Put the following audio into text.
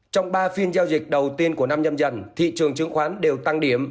trong ba phiên giao dịch đầu tiên của năm nhâm dần thị trường chứng khoán đều tăng điểm